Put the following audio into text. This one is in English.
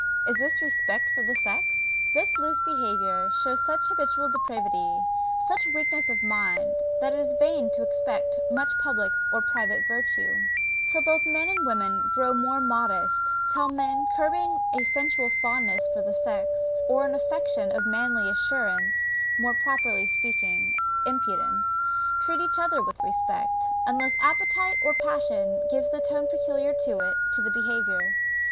Is this respect for the sex? This loose behaviour shows such habitual depravity, such weakness of mind, that it is vain to expect much public or private virtue, till both men and women grow more modest till men, curbing a sensual fondness for the sex, or an affectation of manly assurance, more properly speaking, impudence, treat each other with respect unless appetite or passion gives the tone, peculiar to it, to their behaviour.